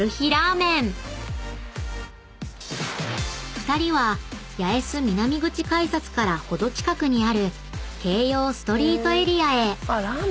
［２人は八重洲南口改札から程近くにある京葉ストリートエリアへ］